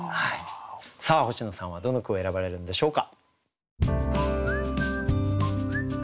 さあ星野さんはどの句を選ばれるんでしょうか？